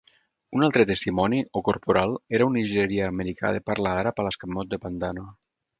Un altre testimoni, "'O' Corporal", era un nigerià-americà de parla àrab a l'escamot de Pantano.